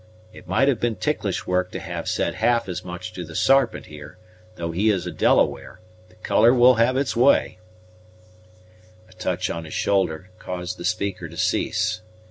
It might have been ticklish work to have said half as much to the Sarpent here, though he is a Delaware, for color will have its way " A touch on his shoulder caused the speaker to cease.